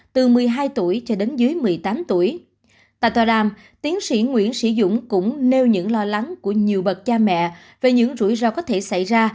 tại tòa đàm tiến sĩ nguyễn sĩ dũng cũng nêu những lo lắng của nhiều bậc cha mẹ về những rủi ro có thể xảy ra